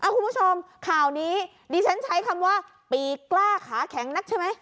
คุณผู้ชมข่าวนี้ดิฉันใช้คำว่าปีกล้าขาแข็งนักใช่ไหม